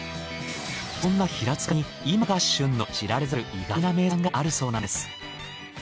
そんな平塚に今が旬の知られざる意外な名産があるそうなんです。